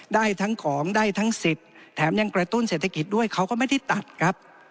ได้ทั้งของได้ทั้งสิทธิ์แถมยังกระตุ้นเศรษฐกิจด้วยเขาก็ไม่ได้ตัดครับ